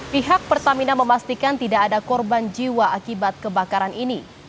pihak pertamina memastikan tidak ada korban jiwa akibat kebakaran ini